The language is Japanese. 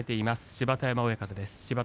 芝田山親方です。